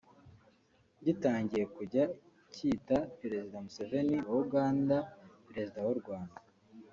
gitangiye kujya kita perezida Museveni wa Uganda perezida w’u Rwanda